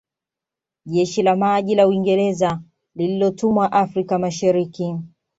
Jeshi la maji la Uingereza lililotumwa Afrika Mashariki